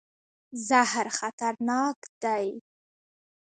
زهر خطرناک دی.